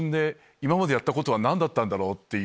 今までやってたことは何だったんだろう？っていう。